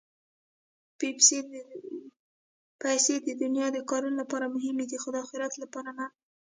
پېسې د دنیا د کارونو لپاره مهمې دي، خو د اخرت لپاره نه.